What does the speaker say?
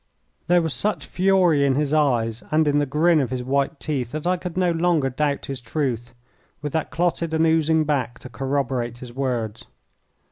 There was such fury in his eyes and in the grin of his white teeth that I could no longer doubt his truth, with that clotted and oozing back to corroborate his words.